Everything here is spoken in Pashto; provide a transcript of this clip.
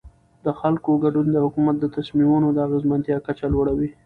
د خلکو ګډون د حکومت د تصمیمونو د اغیزمنتیا کچه لوړوي